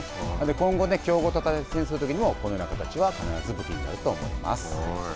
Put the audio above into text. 今後強豪と対戦するときもこういうような形は必ず武器になると思います。